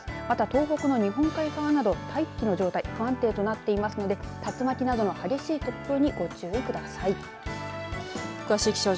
また東北の日本海側など大気の状態、不安定となっていますので竜巻などの激しい突風にご注意ください。